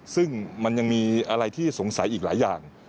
ซึ่งมันยังมีอะไรที่สงสัยอีกหลายอย่าง